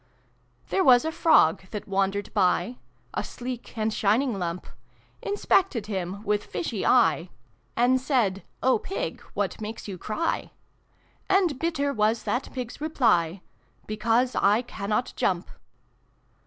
There was a Frog that wandered by A sleek and shining lump: Inspected him with fishy eye, 368 SYLVIE AND BRUNO CONCLUDED. And said " O Pig, what makes you cry ?" And bitter was that Pig's reply, " Because I cannot jump